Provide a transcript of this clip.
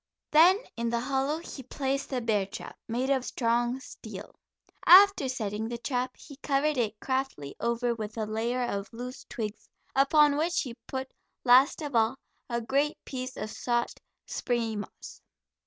Then in the hollow he placed the bear trap, made of strong steel. After setting the trap he covered it craftily over with a layer of loose twigs, upon which he put, last of all, a great piece of soft, springy moss.